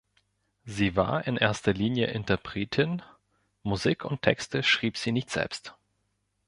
Sie war in erster Linie Interpretin, Musik und Texte schrieb sie nicht selbst.